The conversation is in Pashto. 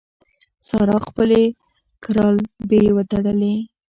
سارا خپلې ګرالبې وتړلې.